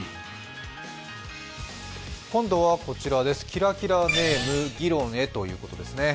キラキラネーム議論へということですね。